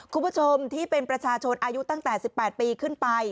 คุณผู้ชมที่เป็นประชาชนอายุตั้งแต่๑๘ปีขึ้นไป